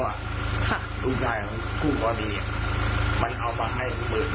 ลูกชายของคู่กรณีมันเอามาให้หมื่น